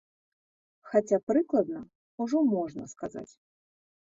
Хаця прыкладна ўжо можна сказаць.